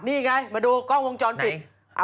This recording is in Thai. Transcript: นี่ไงมาดูกล้องวงจรปิด